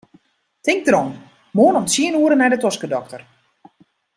Tink derom, moarn om tsien oere nei de toskedokter.